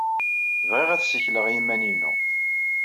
Bɣiɣ ad ssikleɣ i yiman-inu.